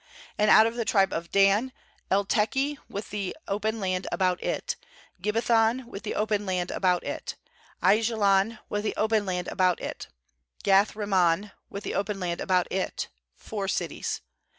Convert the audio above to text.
23And out of the tribe of Dan, Elteke with the open land about it, Gibbethon with the open land about it; ^Aijalon with the open land about it, Gath rimmon with the open land about it; four cities.